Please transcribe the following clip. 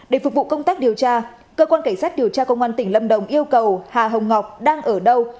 để phục vụ công tác điều tra cơ quan cảnh sát điều tra công an tỉnh lâm đồng yêu cầu hà hồng ngọc đang ở đâu